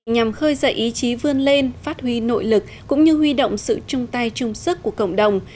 nhằm khơi dậy ý chí vươn lên phát huy nội lực cũng như huy động sự chung tay chung sức của cộng đồng